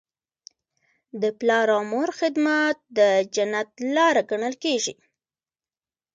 د پلار او مور خدمت د جنت لاره ګڼل کیږي.